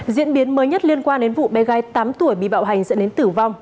diễn biến mới nhất liên quan đến vụ bé gái tám tuổi bị bạo hành dẫn đến tử vong